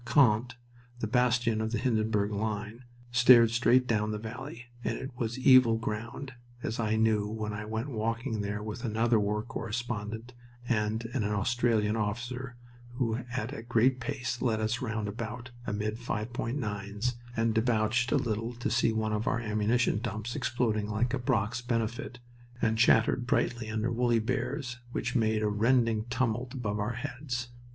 Queant, the bastion of the Hindenburg line, stared straight down the valley, and it was evil ground, as I knew when I went walking there with another war correspondent and an Australian officer who at a great pace led us round about, amid 5.9's, and debouched a little to see one of our ammunition dumps exploding like a Brock's Benefit, and chattered brightly under "woolly bears" which made a rending tumult above our heads.